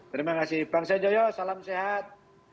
terima kasih bang sejoyo salam sehat